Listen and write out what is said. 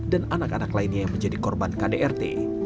dan anak anak lainnya yang menjadi korban kdrt